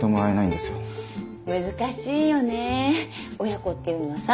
親子っていうのはさ。